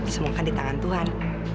semua kan di tangan tuhan